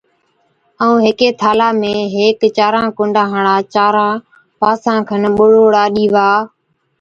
ائُون ھيڪ ٿالھا ۾ ھيڪ چاران ڪُنڊان ھاڙا چاران پاسان کن ٻَڙوڙا ڏِيوا،